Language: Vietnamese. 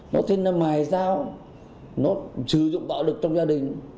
nó thêm là mài dao nó trừ dụng bạo lực trong gia đình